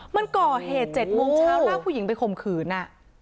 มันก่อเหตุเจ็ดโมงเช้าลาผู้หญิงไปคมขืนอ่ะ